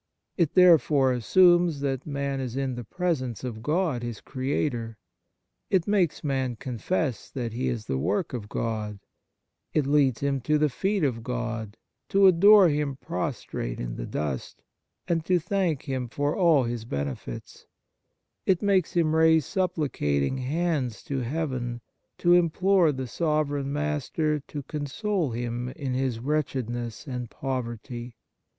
It therefore assumes that man is in the presence of God, his Creator ; it makes man confess that he is the work of God ; it leads him to the feet of God, to adore Him pros trate in the dust, and to thank Him for all His benefits; it makes him raise supplicating hands to Heaven, to im plore the sovereign Master to console him in his wretchedness and poverty.